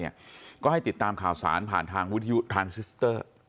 ก็ให้ติดตามข่าวสารผ่านทางวิทยุทานซิสเตอร์